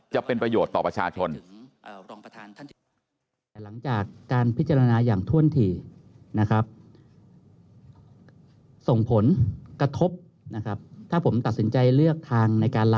จะเป็นประโยชน์ต่อประชาชน